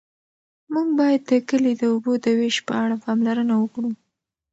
موږ باید د کلي د اوبو د وېش په اړه پاملرنه وکړو.